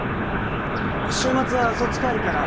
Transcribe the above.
週末はそっち帰るから。